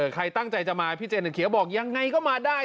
ใครตั้งใจจะมาพี่เจนเขียวบอกยังไงก็มาได้